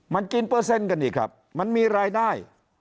มันกินเปอร์เซ็นต์กันอีกครับมันมีรายได้